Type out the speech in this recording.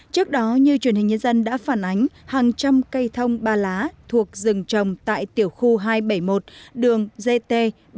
trước đó như truyền hình nhân dân đã phản ánh hàng trăm cây thông ba lá thuộc rừng trồng tại tiểu khu hai trăm bảy mươi một đường gt bảy trăm ba